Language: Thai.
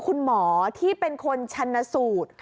คุณหมอที่เป็นคนชันสูตร